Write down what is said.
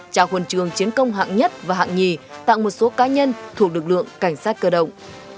trao hồn trường chiến công hạng nhất và hạng nhì tặng một số cá nhân thuộc lực lượng cảnh sát cơ động